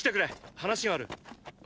話がある。